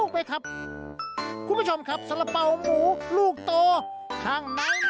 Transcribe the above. เกิดไม่ทันอ่ะ